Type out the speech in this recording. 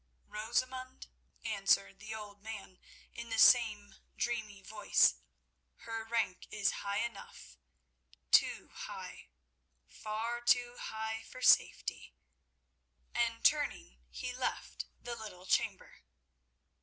"Rosamund?" answered the old man in the same dreamy voice. "Her rank is high enough—too high, far too high for safety." And turning, he left the little chamber.